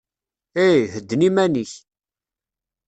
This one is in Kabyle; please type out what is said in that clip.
Hey, hedden iman-ik.